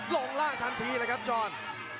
ลงล่างทันทีจอห์น